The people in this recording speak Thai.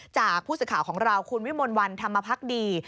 จากผู้สื่อข่าวของเราคุณวิมลวันธรรมพักดี